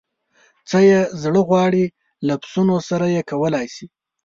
څه یې زړه غواړي له پسونو سره یې کولای شي.